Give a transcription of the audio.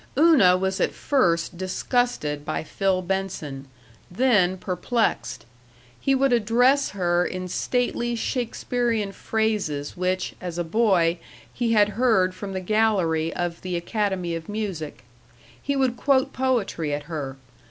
Una was at first disgusted by Phil Benson, then perplexed. He would address her in stately Shakespearean phrases which, as a boy, he had heard from the gallery of the Academy of Music. He would quote poetry at her.